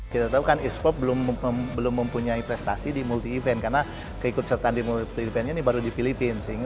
kita tahu kan esports belum mempunyai prestasi di multi event karena keikutsertaan di event ini baru di filipina